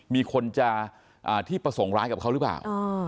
มีคนจะที่ประสงค์ร้ายกับเขาหรือเปล่า